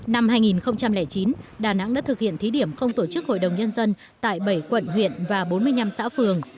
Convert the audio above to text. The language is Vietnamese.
năm hai nghìn chín đà nẵng đã thực hiện thí điểm không tổ chức hội đồng nhân dân tại bảy quận huyện và bốn mươi năm xã phường